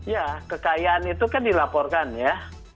ya kekayaan itu kan dilaporkan ya